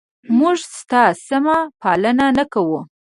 موږ ستا سمه پالنه نه کوو؟